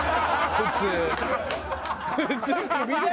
普通。